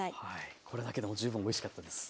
これだけでも十分おいしかったです。